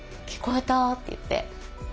「聞こえた！」って言って。